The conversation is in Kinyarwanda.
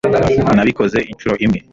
nabikoze inshuro imwe